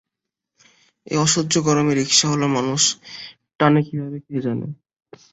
এই অসহ্য গরমে রিকশাওয়ালারা মানুষ টানে কীভাবে কে জানে।